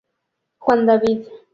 Juan David"".